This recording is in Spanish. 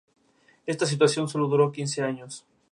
Esta situación sólo duró quince años.